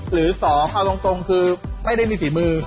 หรือสองค่าตรงคือไม่ได้มีศีลมือ